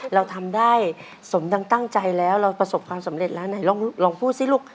เราทำได้สมดังตั้งใจแล้วเราประสบความสำเร็จแล้วไหนลองพูดสิลูก